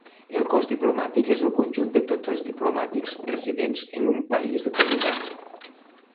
El cos diplomàtic és el conjunt de tots els diplomàtics residents en un país determinat.